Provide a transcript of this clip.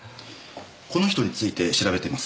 この人について調べています。